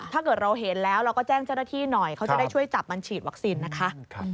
ถ้าเกิดเราเห็นแล้วเราก็แจ้งเจ้าหน้าที่หน่อยเขาจะได้ช่วยจับมันฉีดวัคซีนนะคะ